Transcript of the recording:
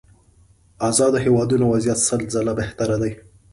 ازادو هېوادونو وضعيت سل ځله بهتره دي.